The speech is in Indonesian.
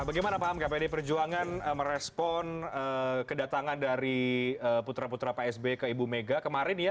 bagaimana paham kak pdi perjuangan merespon kedatangan dari putra putra psb ke ibu mega kemarin ya